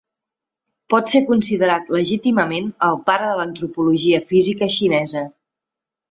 Pot ser considerat legítimament el pare de l'antropologia física xinesa.